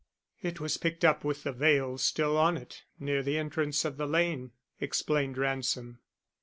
"It was picked up with the veil still on it near the entrance of the lane," explained Ransom.